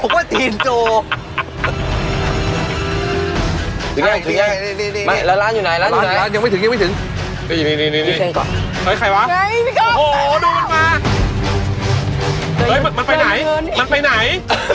ไปไหนของมึงเนี่ย